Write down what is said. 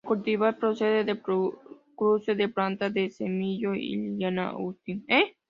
El cultivar procede del cruce de planta de semillero x 'Lilian Austin'.